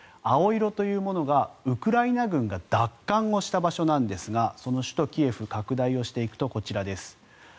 青色というものがウクライナ軍が奪還をした場所なんですがその首都キエフ拡大をしていくとこちらです。